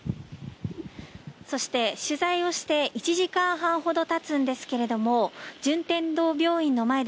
そして、取材をして１時間半ほどたつんですが順天堂病院の前